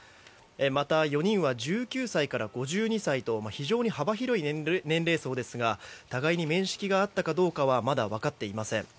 また、４人は１９歳から５２歳と非常に幅広い年齢層ですが互いに面識があったかどうかはまだわかっていません。